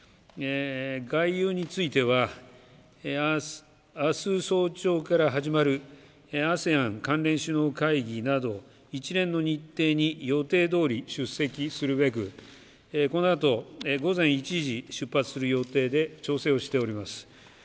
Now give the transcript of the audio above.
外遊については、あす早朝から始まるＡＳＥＡＮ関連首脳会議など、一連の日程に予定どおり出席するべく、このあと、午前１時、出発する予定で調整をしております。